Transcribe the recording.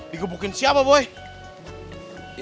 di gebukin siapa boy